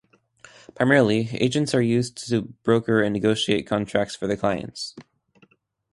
Primarily, agents are used to broker and negotiate contracts for their clients.